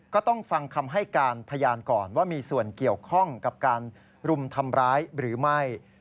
ก็ต้องฟังคำให้การพยานก่อนว่ามีส่วนเกี่ยวข้องกับการรุมทำร้ายหรือไม่